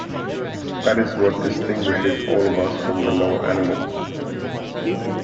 That is what distinguishes all of us from the lower animals.